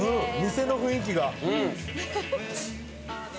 店の雰囲気が。